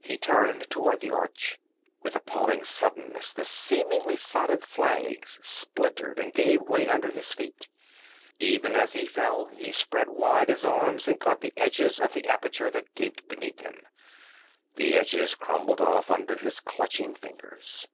He turned toward the arch with appalling suddenness the seemingly solid flags splintered and gave way under his feet. Even as he fell he spread wide his arms and caught the edges of the aperture that gaped beneath him. The edges crumbled off under his clutching fingers.